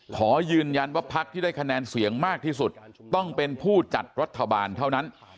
ขอยืนยันว่าพักที่ได้คะแนนเสียงมากที่สุดต้องเป็นผู้จัดรัฐบาลเท่านั้น